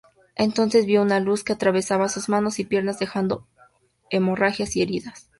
Entonces vio una luz que atravesaba sus manos y piernas, dejando hemorragias y heridas.